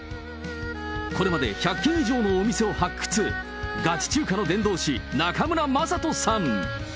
これまで１００軒以上のお店を発掘、ガチ中華の伝道師、中村正人さん。